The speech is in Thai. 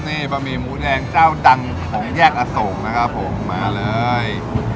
นี่ปะหมี่หมูแดงเจ้าดังให้แยกอ่ะส่งมาเลย